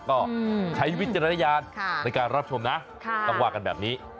ก็ใช้วิจารณญาณในการรับชมนะต้องว่ากันแบบนี้